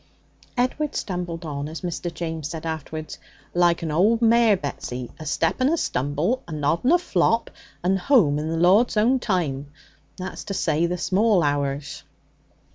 Edward stumbled on, as Mr. James said afterwards, 'like my old mare Betsy, a step and a stumble, a nod and a flop, and home in the Lord's own time that's to say, the small hours.'